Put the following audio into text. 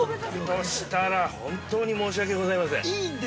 ◆そしたら本当に申し訳ございません。